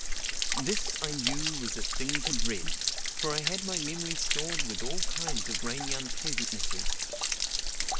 This I knew was a thing to dread; for I had my memory stored with all kinds of rainy unpleasantnesses.